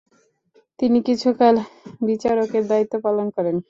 তিনি কিছুকাল বিচারকের দায়িত্ব পালন করেন।